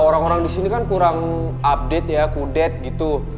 orang orang di sini kan kurang update ya kudet gitu